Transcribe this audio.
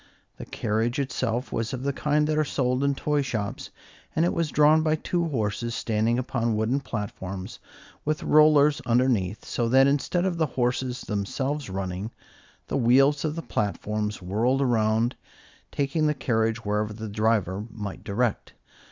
The carriage itself was of the kind that are sold in toy shops, and it was drawn by two horses standing upon wooden platforms with rollers underneath, so that instead of the horses themselves running, the wheels of the platforms whirled around, taking the carriage wherever the driver might direct.